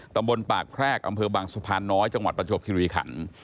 ตำบลปากแพรกอำเภอบางสะพานน้อยจังหวัดประจวบคิริขัน